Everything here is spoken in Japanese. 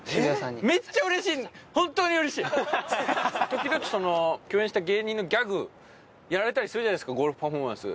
時々その共演した芸人のギャグやられたりするじゃないですかゴールパフォーマンス。